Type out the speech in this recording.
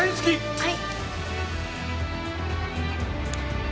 はい。